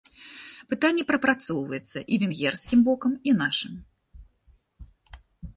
Пытанне прапрацоўваецца і венгерскім бокам, і нашым.